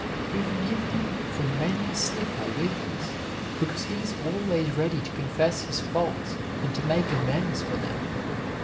We forgive him for many a slip or weakness, because he is always ready to confess his faults, and to make amends for them.